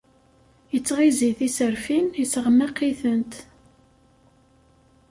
Ittɣizi tiserfin, isseɣmaq-itent.